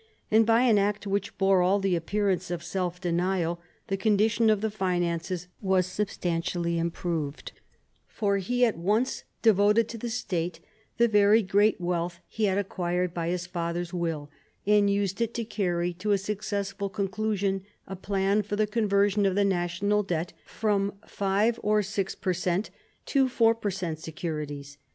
And, by an act which bore all the appearance of self denial, the condition of the finances was substantially improved; for he at once devoted «*f 1765 70 DOMESTIC AFFAIRS 207 to the State the very great wealth he had acquired by his father's will, and used it to carry to a successful conclusion a plan for the conversion of the National Debt, from five or six per cent, to four per cent securities.